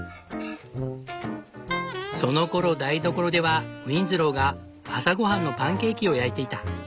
そのころ台所ではウィンズローが朝ごはんのパンケーキを焼いていた。